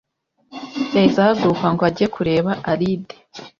Yahise ahaguruka ngo ajye kureba Alide